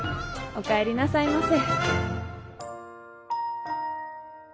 お帰りなさいませ。